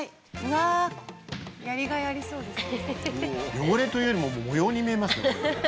汚れというよりも模様に見えますね。